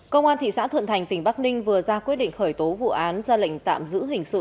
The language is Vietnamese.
công an thị xã thuận thành tỉnh bắc ninh vừa ra quyết định khởi tố vụ án ra lệnh tạm giữ hình sự